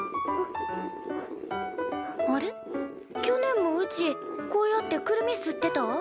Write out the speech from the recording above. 去年もうちこうやってくるみすってた？